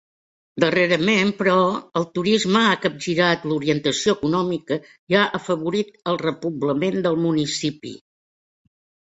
Darrerament, però, el turisme ha capgirat l'orientació econòmica i ha afavorit el repoblament del municipi.